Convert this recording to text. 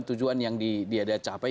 tujuan yang dia dia capai